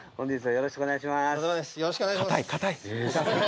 よろしくお願いします